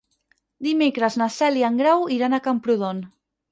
Dimecres na Cel i en Grau iran a Camprodon.